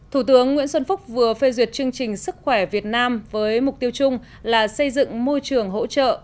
thủ tướng nguyễn xuân phúc vừa phê duyệt chương trình sức khỏe việt nam với mục tiêu chung là xây dựng môi trường hỗ trợ